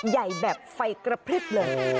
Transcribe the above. ใหญ่แบบไฟกระพริบเลย